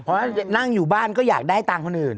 เพราะนั่งอยู่บ้านก็อยากได้ตังค์คนอื่น